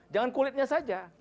jangan kulitnya saja